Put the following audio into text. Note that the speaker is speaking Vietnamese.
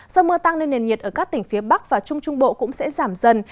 do mưa tăng nên nền nhiệt ở các tỉnh phía bắc và trung trung bộ cũng sẽ giảm dần